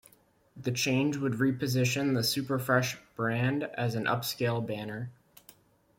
The change would re-position the Superfresh brand as an upscale banner.